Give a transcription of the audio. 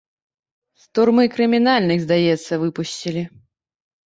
З турмы крымінальных, здаецца, выпусцілі.